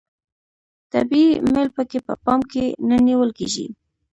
طبیعي میل پکې په پام کې نه نیول کیږي.